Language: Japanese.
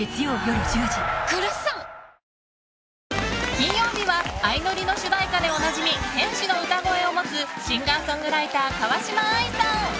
金曜日は「あいのり」の主題歌でおなじみ天使の歌声を持つシンガーソングライター川嶋あいさん。